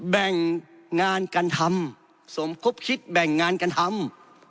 แบ่งงานกันทำสมคบคิดแบ่งงานกันทำ